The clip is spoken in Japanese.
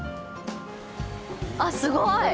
あっ、すごーい。